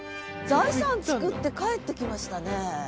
財産作って帰ってきましたね。